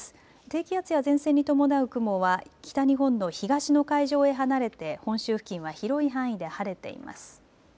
低気圧や前線に伴う雲は北日本の東の海上へ離れて本州付近は広い範囲で晴れています。